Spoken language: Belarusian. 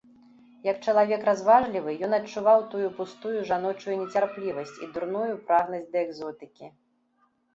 Як чалавек разважлівы, ён адчуваў тут пустую жаночую нецярплівасць і дурную прагнасць да экзотыкі.